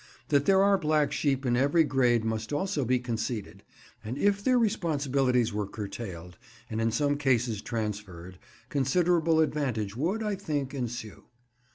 That there are black sheep in every grade must also be conceded, and if their responsibilities were curtailed, and in some cases transferred, considerable advantage would, I think, ensue.